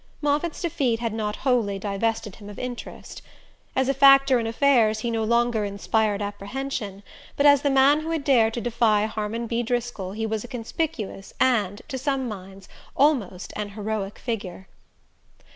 Moffatt's defeat had not wholly divested him of interest. As a factor in affairs he no longer inspired apprehension, but as the man who had dared to defy Harmon B. Driscoll he was a conspicuous and, to some minds, almost an heroic figure.